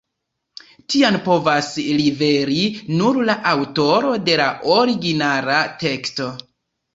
Tian povas liveri nur la aŭtoro de la originala teksto.